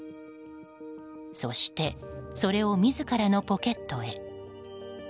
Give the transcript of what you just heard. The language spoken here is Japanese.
そして、それを自らのポケットへ。